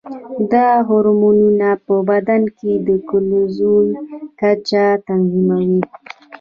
دا هورمونونه په بدن کې د ګلوکوز کچه تنظیموي.